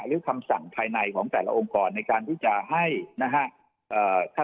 คำสั่งภายในของแต่ละองค์กรในการที่จะให้นะฮะ